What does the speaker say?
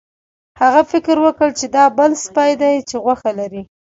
هغه فکر وکړ چې دا بل سپی دی چې غوښه لري.